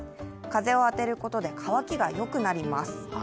風を当てることで乾きがよくなります。